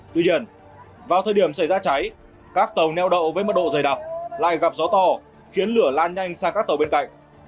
tuy nhiên vào thời điểm xảy ra cháy các tàu neo đậu với mức độ dày đặc lại gặp gió to khiến lửa lan nhanh sang các tàu bên cạnh